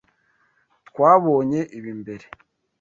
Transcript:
Twabonye ibi mbere.